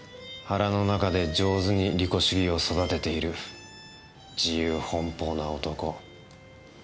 腹の中で上手に利己主義を育てている自由奔放な男。